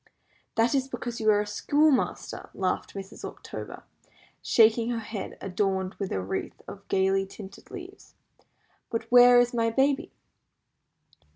"That is because you are a schoolmaster," laughed Mrs. October, shaking her head, adorned with a wreath of gaily tinted leaves; "but where is my baby?"